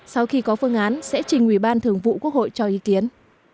sau khi có phương án sẽ trình ủy ban thường vụ quốc hội cho ý kiến